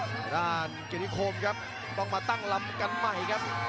ภายด้านกิฤทธิโครมครับต้องมาตั้งล้ำกันใหม่ครับ